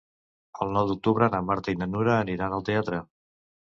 El nou d'octubre na Marta i na Nura aniran al teatre.